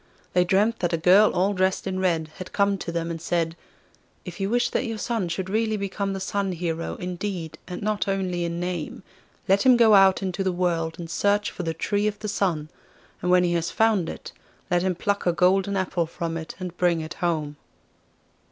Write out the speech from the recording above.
They dreamt that a girl all dressed in red had come to them and said: 'If you wish that your son should really become the Sun Hero in deed and not only in name, let him go out into the world and search for the Tree of the Sun, and when he has found it, let him pluck a golden apple from it and bring it home.